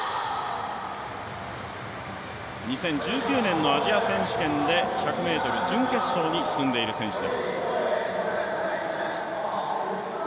２０１９年のアジア選手権で１００ｍ準決勝に進んでいる選手です。